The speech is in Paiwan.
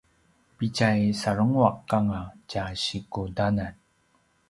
pitja sarenguaq anga tja sikudanan